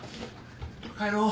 帰ろう。